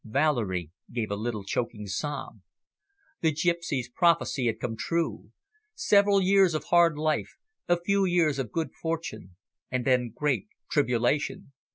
Valerie gave a little choking sob. The gipsy's prophesy had come true several years of hard life, a few years of good fortune, and then great tribulation.